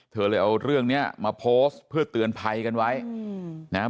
เธอเลยเอาเรื่องเนี้ยมาโพสต์เพื่อเตือนภัยกันไว้อืมนะฮะ